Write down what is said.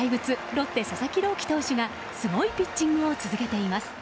ロッテ佐々木朗希投手がすごいピッチングを続けています。